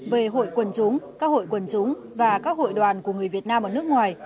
về hội quần chúng các hội quần chúng và các hội đoàn của người việt nam ở nước ngoài